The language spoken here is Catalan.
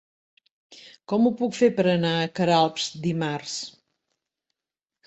Com ho puc fer per anar a Queralbs dimarts?